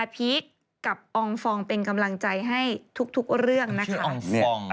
พีคกับอองฟองเป็นกำลังใจให้ทุกเรื่องนะคะ